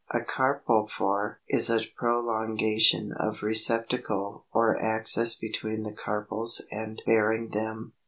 324. =A Carpophore= is a prolongation of receptacle or axis between the carpels and bearing them.